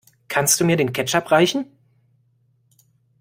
Kannst du mir den Ketchup reichen?